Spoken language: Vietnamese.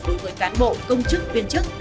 đối với cán bộ công chức viên chức